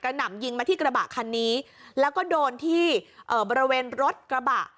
หนำยิงมาที่กระบะคันนี้แล้วก็โดนที่เอ่อบริเวณรถกระบะ